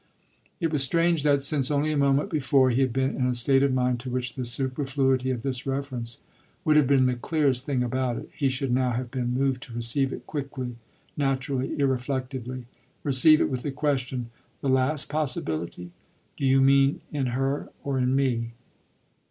It was strange that, since only a moment before he had been in a state of mind to which the superfluity of this reference would have been the clearest thing about it, he should now have been moved to receive it quickly, naturally, irreflectively, receive it with the question: "The last possibility? Do you mean in her or in me?"